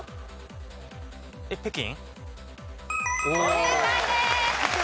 正解です。